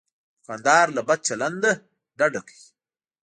دوکاندار له بد چلند نه ډډه کوي.